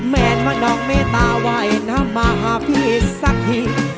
แมนว่าน้องเมตตาว่ายน้ำมาหาพี่สักที